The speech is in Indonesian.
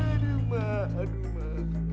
aduh ma aduh ma